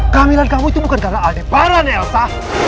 kamilan kamu itu bukan karena adebaran ya elsa